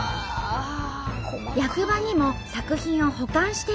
役場にも作品を保管しているようで。